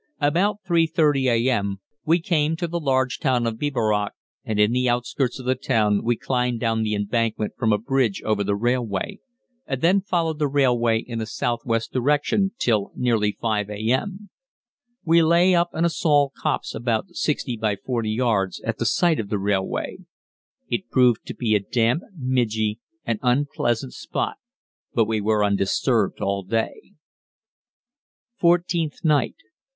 About 3.30 a.m. we came to the large town of Biberach, and in the outskirts of the town we climbed down to the embankment from a bridge over the railway, and then followed the railway in a southwest direction till nearly 5 a.m. We lay up in a small copse about 60 by 40 yards, at the side of the railway. It proved to be a damp, midgy, and unpleasant spot, but we were undisturbed all day. _Fourteenth Night.